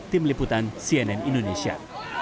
tim liputan cnn indonesia